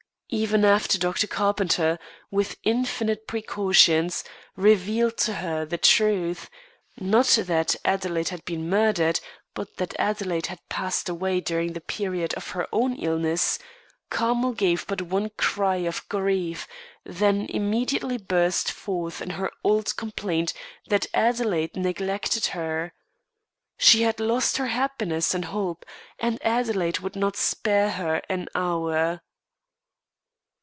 Even after Dr. Carpenter, with infinite precautions, revealed to her the truth not that Adelaide had been murdered, but that Adelaide had passed away during the period of her own illness, Carmel gave but one cry of grief, then immediately burst forth in her old complaint that Adelaide neglected her. She had lost her happiness and hope, and Adelaide would not spare her an hour.